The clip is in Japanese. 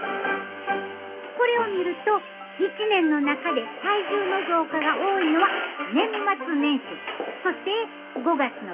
これを見ると１年の中で体重の増加が多いのは年末年始そして５月の連休や！